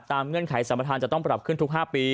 เงื่อนไขสัมประธานจะต้องปรับขึ้นทุก๕ปี